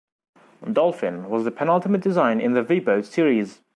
"Dolphin" was the penultimate design in the V-boat series.